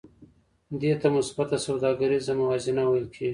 دې ته مثبته سوداګریزه موازنه ویل کېږي